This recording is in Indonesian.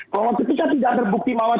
kalau ketika tidak terbukti